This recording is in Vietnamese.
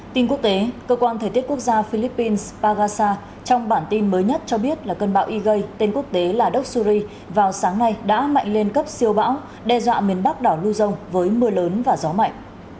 tin quốc tế cơ quan thời tiết quốc gia philippines pagasa trong bản tin mới nhất cho biết là cơn bão igei tên quốc tế là doxury vào sáng nay đã mạnh lên cấp siêu bão đe dọa miền bắc đảo luzon với mưa lớn và gió mạnh